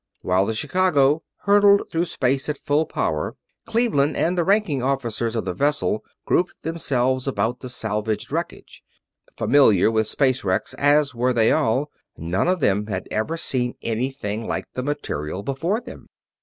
While the Chicago hurtled through space at full power, Cleveland and the ranking officers of the vessel grouped themselves about the salvaged wreckage. Familiar with space wrecks as were they all, none of them had ever seen anything like the material before them.